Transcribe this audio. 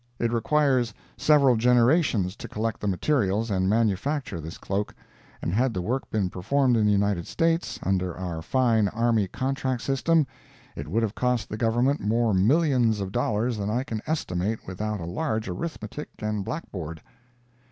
It required several generations to collect the materials and manufacture this cloak, and had the work been performed in the United States, under our fine army contract system, it would have cost the Government more millions of dollars than I can estimate without a large arithmetic and a blackboard.